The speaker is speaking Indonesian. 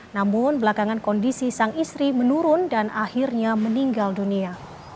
namun belakangan kondisi sang istri menurun dan akhirnya meninggal dunia